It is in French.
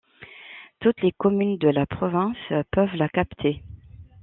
Toutes les communes de la province peuvent la capter.